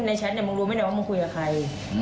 ในแชทเนี่ยมึงรู้ไม่ได้ว่ามึงคุยกับใคร